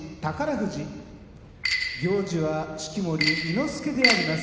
富士行司は式守伊之助であります。